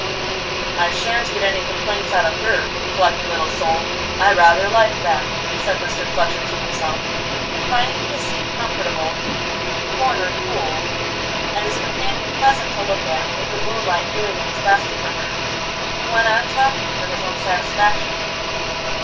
"I shan't get any complaints out of her. Plucky little soul! I rather like that," said Mr. Fletcher to himself; and, finding his seat comfortable, the corner cool, and his companion pleasant to look at, with the moonlight doing its best for her, he went on talking for his own satisfaction.